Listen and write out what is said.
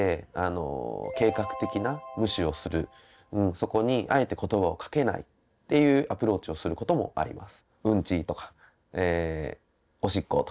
そこはあえてっていうアプローチをすることもあります。